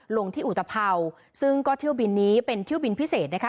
ลงที่อุตภัวร์ซึ่งก็เที่ยวบินนี้เป็นเที่ยวบินพิเศษนะคะ